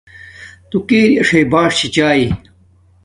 تو کیر اݽ باݽ چھی چاݵ